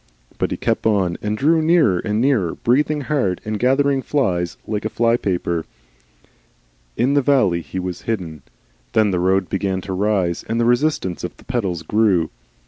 But he kept on and drew nearer and nearer, breathing hard and gathering flies like a flypaper. In the valley he was hidden. Then the road began to rise, and the resistance of the pedals grew.